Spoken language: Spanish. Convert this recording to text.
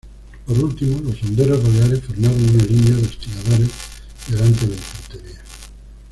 Por último, los honderos baleares formaron una línea de hostigadores delante de la infantería.